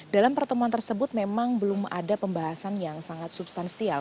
dalam pertemuan tersebut memang belum ada pembahasan yang sangat substansial